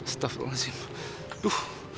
ya allah buat bu